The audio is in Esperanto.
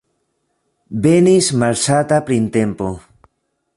Venis malsata printempo.